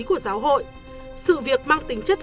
của giáo hội sự việc mang tính chất